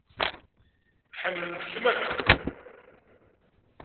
Ḥemmlen-kem akk